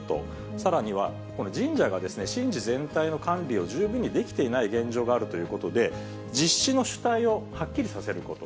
さらには、神社が神事全体の管理を十分にできていない現状があるということで、実施の主体をはっきりさせること。